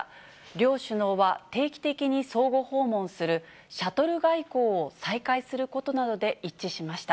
両首脳は定期的に相互訪問する、シャトル外交を再開することなどで一致しました。